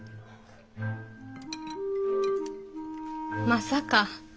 まさか。